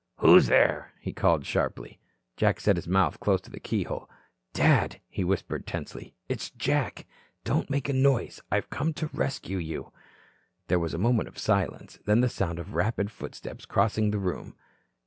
"Who's there?" he called sharply. Jack set his mouth close to the keyhole. "Dad," he whispered tensely. "It's Jack. Don't make a noise. I've come to rescue you." There was a moment of silence, then the sound of rapid footsteps crossing the room.